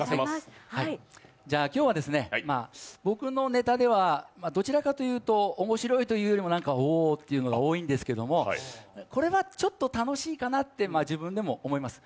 今日は、僕のネタではどちらかというと、面白いというよりおーっというのが多いかと思うんですけどこれはちょっと楽しいかなって自分でも思います。